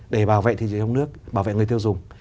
để bảo vệ thị trường trong nước bảo vệ người tiêu dùng